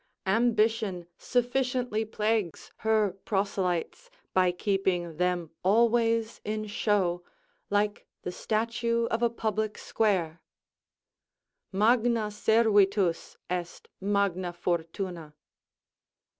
Ambition sufficiently plagues her proselytes, by keeping them always in show, like the statue of a public, square: "Magna servitus est magna fortuna."